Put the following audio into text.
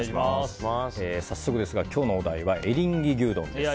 早速ですが、今日のお題はエリンギ牛丼です。